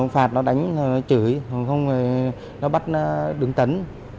phạt nó đánh nó chửi không rồi nó bắt đứng tấn